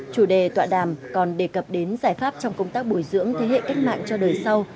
chủ đề tọa đàm còn đề cập đến giải pháp trong công tác bồi dưỡng thế hệ cách mạng cho đời sau